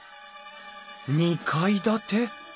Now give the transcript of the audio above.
２階建て？